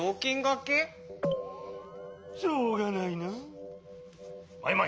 しょうがないな。